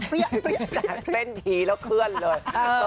เป็นทีแล้วเคลื่อนเลย